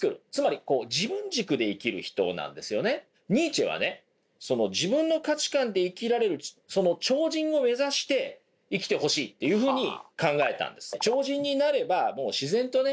ニーチェはね自分の価値観で生きられるその超人を目指して生きてほしいというふうに考えたんです。